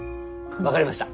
分かりました！